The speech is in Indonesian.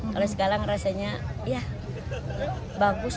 kalau sekarang rasanya ya bagus